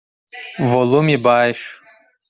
Volume baixo.